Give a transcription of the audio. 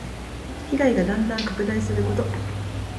被害がだんだん拡大すること。